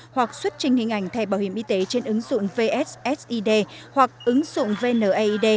hoặc xuất trình hình ảnh thẻ bảo hiểm y tế trên ứng dụng vssid hoặc ứng dụng vneid